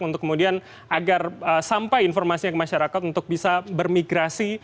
untuk kemudian agar sampai informasinya ke masyarakat untuk bisa bermigrasi